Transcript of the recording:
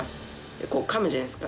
でこう噛むじゃないですか。